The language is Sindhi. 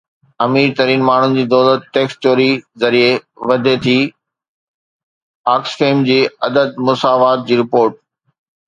امير ترين ماڻهن جي دولت ٽيڪس چوري ذريعي وڌي ٿي، آڪسفيم جي عدم مساوات جي رپورٽ